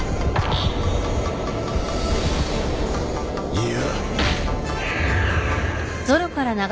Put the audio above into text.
いや